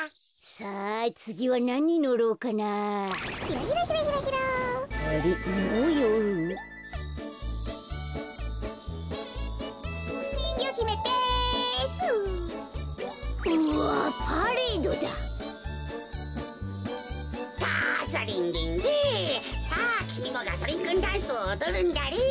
さあきみもガゾリンくんダンスをおどるんだリン。